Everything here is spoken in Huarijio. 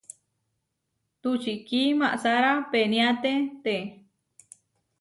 Tučikí maʼsára peniáteʼte.